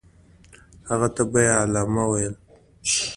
هغه ته به یې علامه ویل.